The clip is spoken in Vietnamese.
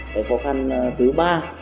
phải khó khăn thứ ba